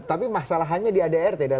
tapi masalahnya di adrt